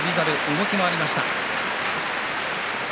動き回りました。